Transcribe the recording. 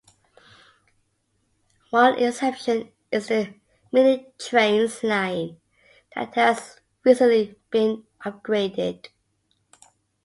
One exception is The MinitrainS line that has recently been upgraded.